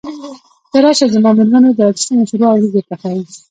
ته راشه زما مېرمن وګوره چې څنګه شوروا او وريجې پخوي.